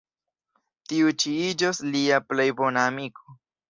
Tiu ĉi iĝos lia plej bona amiko.